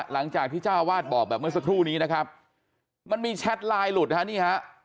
หลังจากที่เจ้าวาดบอกแบบเมื่อสักครู่นี้นะครับมันมีแชทไลน์หลุดฮะนี่ฮะ